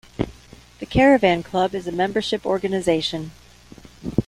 The Caravan Club is a membership organisation.